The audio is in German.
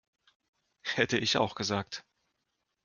Hätte ich auch gesagt.